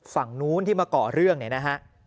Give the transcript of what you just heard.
ฝั่งนู้นที่มาก่อเรื่องเนี่ยนะฮะ